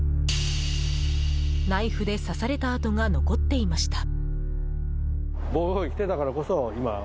ナイフで刺された痕が残っていました。